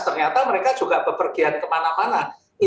ternyata mereka juga bepergian kemana mana